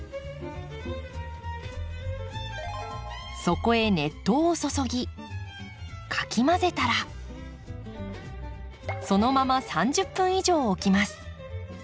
そこへ熱湯を注ぎかき混ぜたらそのまま３０分以上置きます。